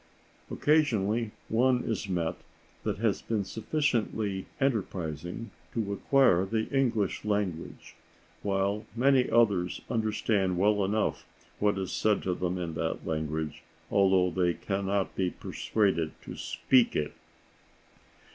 Occasionally one is met that has been sufficiently enterprising to acquire the English language, while many others understand well enough what is said to them in that language, although they cannot be persuaded to speak it.